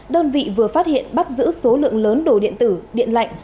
đơn vị vừa phát hiện bắt giữ số lượng lớn đồ điện tử điện lạnh